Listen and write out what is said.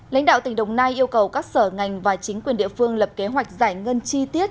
lãnh đạo tỉnh đồng nai yêu cầu các sở ngành và chính quyền địa phương lập kế hoạch giải ngân chi tiết